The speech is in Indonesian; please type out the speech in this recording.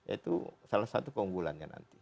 itu salah satu keunggulannya nanti